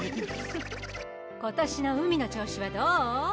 今年の海の調子はどう？